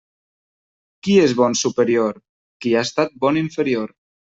Qui és bon superior? Qui ha estat bon inferior.